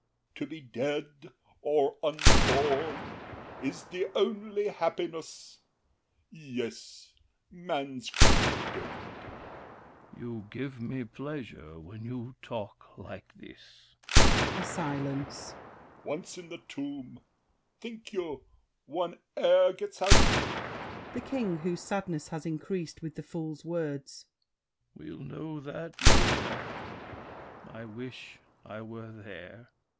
L'ANGELY. To be dead or unborn is The only happiness. Yes, man's condemned! THE KING. You give me pleasure when you talk like this! [A silence. L'ANGELY. Once in the tomb, think you one e'er gets out? THE KING (whose sadness has increased with the Fool's words). We'll know that later. I wish I were there!